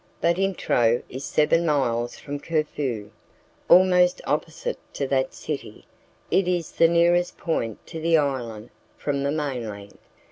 Butintro is seven miles from Corfu, almost opposite to that city; it is the nearest point to the island from the mainland.